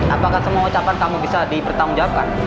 apakah semua ucapan kamu bisa dipertanggungjawabkan